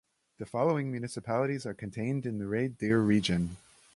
The following municipalities are contained in the Red Deer Region.